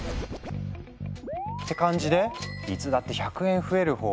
って感じでいつだって１００円増える方を選べばいいはず。